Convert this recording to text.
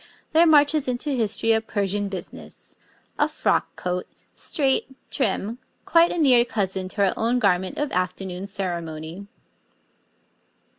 there marches into history a Persian business a frock coat, straight, trim, quite a near cousin to our own garment of afternoon ceremony.